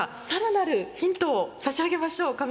更なるヒントを差し上げましょう。